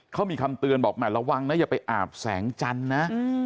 เขามีคำเตือนบอกแห่ระวังนะอย่าไปอาบแสงจันทร์นะ